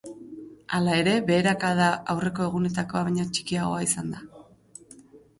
Hala ere, beherakada aurreko egunetakoa baino txikiagoa izan da.